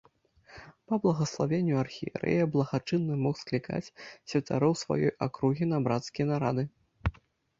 Па благаславенню архірэя благачынны мог склікаць святароў сваёй акругі на брацкія нарады.